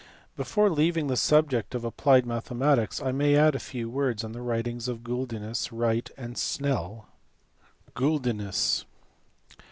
Before leaving the subject of applied mathematics I may add a few words on the writings of Guldinus, Wright, and Snell. Guldinus.